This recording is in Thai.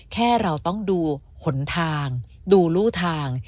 แค่เราต้องดูหนทางดูรูทาง